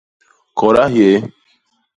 Kôda hyéé.